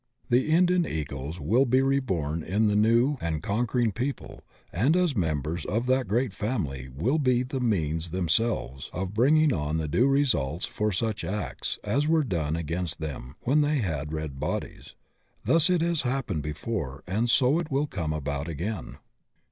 The Indian Egos wll be reborn in the new and conquering people, and as members of that great family wUl be the means themselves of bringing on the due results for such acts as were done against them when they had red bodies. Thus it has hap pened before, and so it will come about again.